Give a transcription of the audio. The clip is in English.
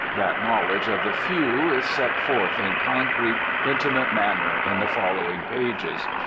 That knowledge of the few is set forth in concrete, intimate manner in the following pages.